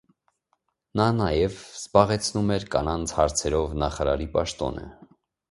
Նա նաև զբաղեցնում էր կանանց հարցերով նախարարի պաշտոնը։